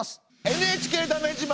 「ＮＨＫだめ自慢」